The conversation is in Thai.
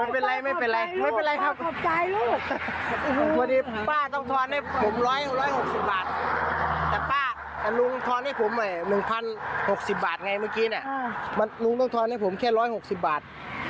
ผ่าเลยค่ะก่อนคุณค่ะไปล่ะครับ